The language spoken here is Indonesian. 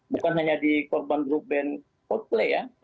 bukan hanya di korban group band court play ya